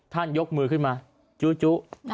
ท่านยกมือขึ้นมาจู้